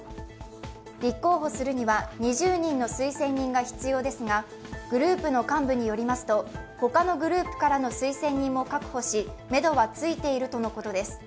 立候補するには２０人の推薦人が必要ですが、グループの幹部によりますと他のグループからの推薦人も確保しめどはついているとのことです。